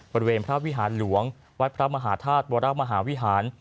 บริเวณพระวิหารหลวงวัดพระมหาธาตุวรมหาวิหาร